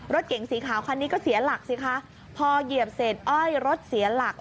รถเก๋งสีขาวคันนี้ก็เสียหลักสิคะพอเหยียบเสร็จอ้อยรถเสียหลัก